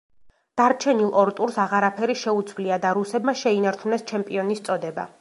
დარჩენილ ორ ტურს აღარაფერი შეუცვლია და რუსებმა შეინარჩუნეს ჩემპიონის წოდება.